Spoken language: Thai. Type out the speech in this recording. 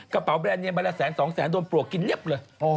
กระเป๋าแบรนด์เนียนมาละแสนสองแสนโดนปลวกกินรับเลย